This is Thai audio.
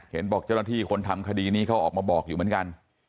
บอกเจ้าหน้าที่คนทำคดีนี้เขาออกมาบอกอยู่เหมือนกัน